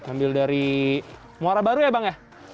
ambil dari muara baru ya bang